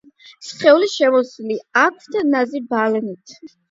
სხეული შემოსილი აქვთ ნაზი ბალნით.